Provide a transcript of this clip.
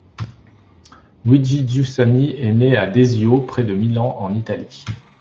Luigi Giussani est né à Desio, près de Milan, en Italie.